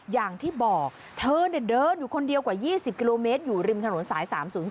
อย่างที่บอกเธอเดินอยู่คนเดียวกว่า๒๐กิโลเมตรอยู่ริมถนนสาย๓๐๔